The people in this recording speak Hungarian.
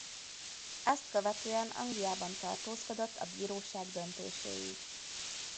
Ezt követően Angliában tartózkodott a bíróság döntéséig.